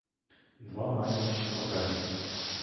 Два маємо ще попереду.